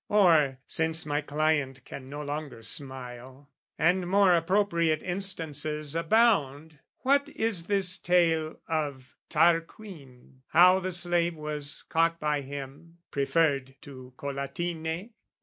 Or, since my client can no longer smile, And more appropriate instances abound, What is this Tale of Tarquin, how the slave Was caught by him, preferred to Collatine?